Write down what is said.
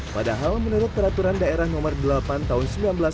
padahal menurut peraturan daerah nomor delapan tahun seribu sembilan ratus sembilan puluh